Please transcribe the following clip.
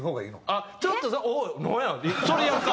あっちょっとなんやそれやるか！